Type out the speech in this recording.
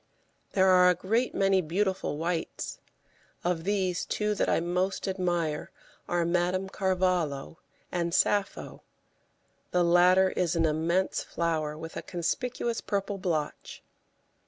There are a great many beautiful whites; of these, two that I most admire are Madame Carvalho and Sappho; the latter is an immense flower, with a conspicuous purple blotch.